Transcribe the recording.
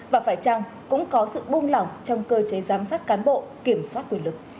và phải chăng cũng có sự buông lỏng trong cơ chế giám sát cán bộ kiểm soát quyền lực